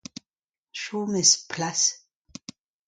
Chom e'z plas !